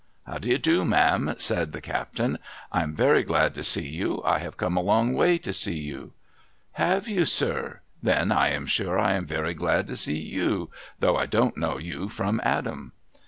' How do you do, ma'am ?' said the captain. ' I am very glad to see you. I have come a long way to see you.' ^ Have you, sir? Then I am sure I am very glad to see you, though I don't know you from Adam.'